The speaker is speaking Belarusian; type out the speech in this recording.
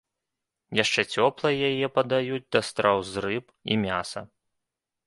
Яшчэ цёплай яе падаюць да страў з рыбы і мяса.